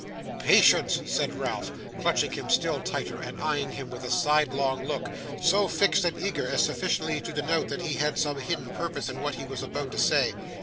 'Patience!' said Ralph, clutching him still tighter and eyeing him with a sidelong look, so fixed and eager as sufficiently to denote that he had some hidden purpose in what he was about to say.